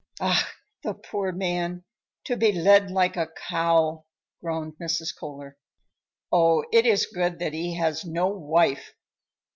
"Ach, the poor man! To be led like a cow," groaned Mrs. Kohler. "Oh, it is good that he has no wife!"